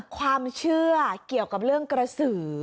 ความเชื่อเกี่ยวกับเรื่องกระสือ